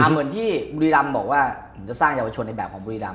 เหมือนที่บุรีรำบอกว่าผมจะสร้างเยาวชนในแบบของบุรีรำ